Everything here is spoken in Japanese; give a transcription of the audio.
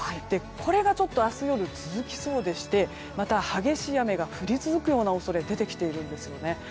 これが明日、続きそうでしてまた激しい雨が降り続くような恐れが出てきているんですよね。